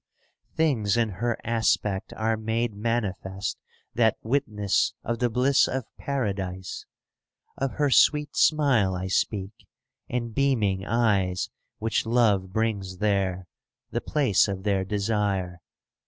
Things in her aspect are made manifest " That witness of the bliss of Paradise; Of her sweet smile I speak, and beaming eyes, Which Love brings there, the place of their desire.